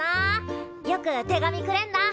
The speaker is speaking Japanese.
よく手紙くれんだ。